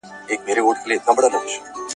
خپل نصیب یم له ازله ستا چړې ته پرې ایستلی `